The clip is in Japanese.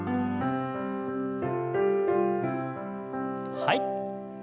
はい。